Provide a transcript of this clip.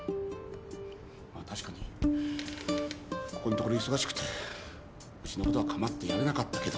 まあ確かにここんところ忙しくてウチのことはかまってやれなかったけど。